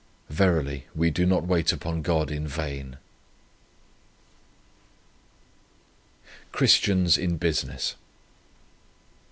Verily we do not wait upon God in _!" CHRISTIANS IN BUSINESS.